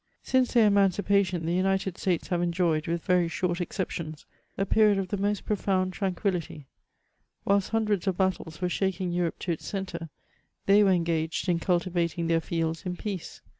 Since their emancipation, the United States have enjoyed, with very short exceptions, a period of the most profound tranquillity ; whilst hundreds of battles were diaking Europe to its centre, they were engaged in cultivating their fields in peace.